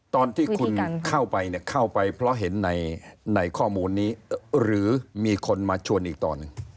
ตอนที่คุณเข้าไปเนี่ยเข้าไปเพราะเห็นในข้อมูลนี้หรือมีคนมาชวนอีกตอนหนึ่ง